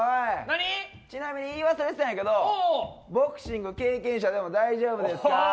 ちなみに言い忘れてたんやけどボクシング経験者でも大丈夫ですか？